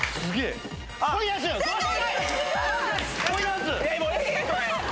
『恋』ダンス！